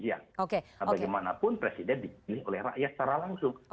ya bagaimanapun presiden di pilih oleh rakyat secara langsung